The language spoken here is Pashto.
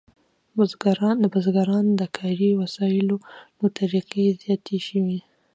د بزګرانو د کاري وسایلو طریقې زیاتې شوې.